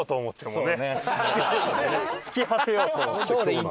そうね。